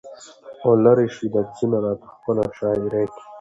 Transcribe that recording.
او لړ شوي لفظونه راته په خپله شاعرۍ کې